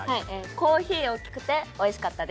「コーヒーおっきくて美味しかったです！」。